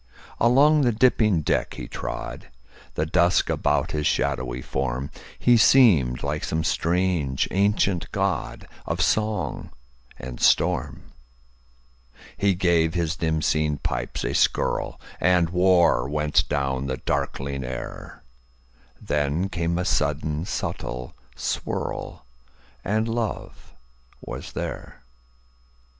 Along the dipping deck he trod, The dusk about his shadowy form; He seemed like some strange ancient godOf song and storm. He gave his dim seen pipes a skirlAnd war went down the darkling air; Then came a sudden subtle swirl, And love was there.